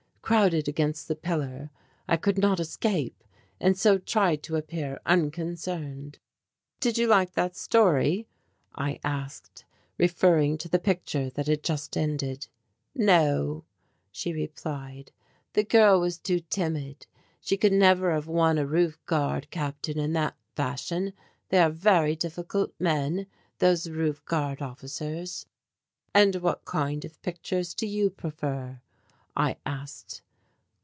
Crowded against the pillar I could not escape and so tried to appear unconcerned. "Did you like that story?" I asked, referring to the picture that had just ended. "No," she replied, "the girl was too timid. She could never have won a roof guard captain in that fashion. They are very difficult men, those roof guard officers." "And what kind of pictures do you prefer?" I asked.